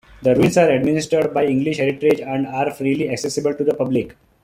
The ruins are administered by English Heritage and are freely accessible to the public.